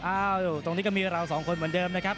ตรงนี้ก็มีเราสองคนเหมือนเดิมนะครับ